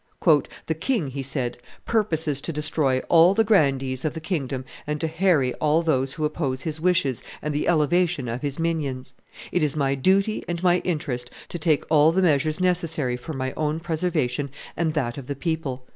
"The king," he said, "purposes to destroy all the grandees of the kingdom and to harry all those who oppose his wishes and the elevation of his minions; it is my duty and my interest to take all the measures necessary for my own preservation and that of the people."